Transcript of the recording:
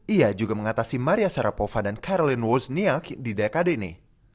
ia juga mengatasi maria sarapova dan carolin worstnial di dekade ini